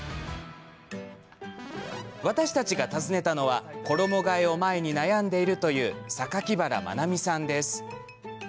私たちが訪ねたのは衣がえを前に悩んでいるという榊原眞奈美さんです。